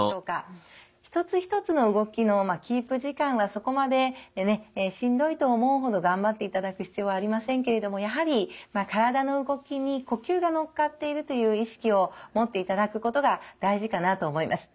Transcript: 一つ一つの動きのキープ時間はそこまでねしんどいと思うほど頑張っていただく必要はありませんけれどもやはり体の動きに呼吸が乗っかっているという意識を持っていただくことが大事かなと思います。